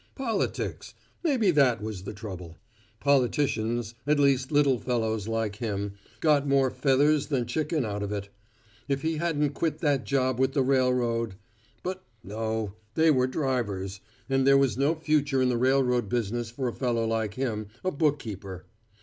Politics maybe that was the trouble. Politicians, at least little fellows like him, got more feathers than chicken out of it. If he hadn't quit that job with the railroad but no, they were drivers, and there was no future in the railroad business for a fellow like him, a bookkeeper.